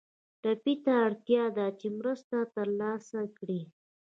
ټپي ته اړتیا ده چې مرسته تر لاسه کړي.